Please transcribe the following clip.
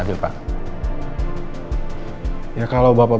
di mana siapa yang mengaku